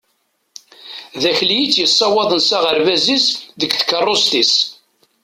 D Akli i tt-yessawaḍen s aɣerbaz-is deg tkarust-is.